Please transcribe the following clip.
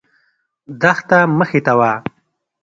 دښته مخې ته وه.